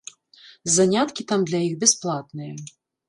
Заняткі там для іх бясплатныя.